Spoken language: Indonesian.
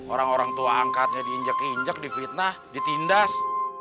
orang orang tua angkatnya diinjek injek difitnah ditindas